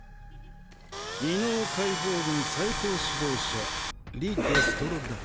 異能解放軍最高指導者リ・デストロだ。